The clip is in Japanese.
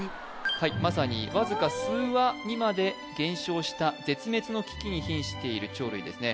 はいまさにわずか数羽にまで減少した絶滅の危機に瀕している鳥類ですね